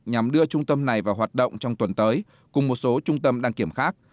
nhằm đưa trung tâm này vào hoạt động trong tuần tới cùng một số trung tâm đăng kiểm khác